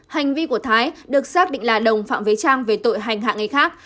hành vi của thái được xác định là đồng phạm về trang về tội hành hạ người khác